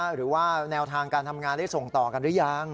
หรือว่าแนวทางการทำงานได้ส่งต่อกันหรือยัง